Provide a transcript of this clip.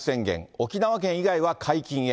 沖縄県以外は解禁へ。